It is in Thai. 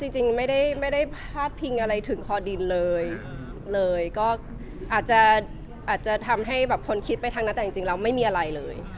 จริงไม่ได้พาดพิงอะไรถึงคอดินเลยเลยก็อาจจะทำให้แบบคนคิดไปทางนั้นแต่จริงแล้วไม่มีอะไรเลย